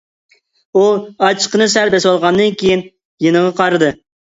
ئۇ ئاچچىقىنى سەل بېسىۋالغاندىن كىيىن، يېنىغا قارىدى.